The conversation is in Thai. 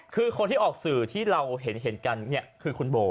คือคนที่ออกสื่อที่เราเห็นกันคือคุณโบ